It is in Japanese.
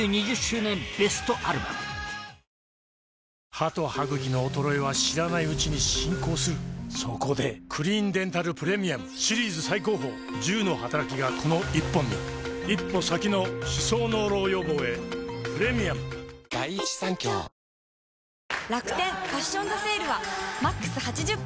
歯と歯ぐきの衰えは知らないうちに進行するそこで「クリーンデンタルプレミアム」シリーズ最高峰１０のはたらきがこの１本に一歩先の歯槽膿漏予防へプレミアムいや分かります。